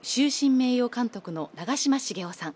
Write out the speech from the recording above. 名誉監督の長嶋茂雄さん